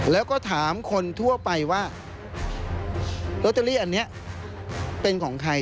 แล้วก็ถามคนทั่วไปว่าลอตเตอรี่อันนี้เป็นของใคร